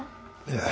いや。